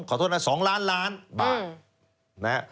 ขอโทษนะ๒ล้านล้านบาทนะฮะ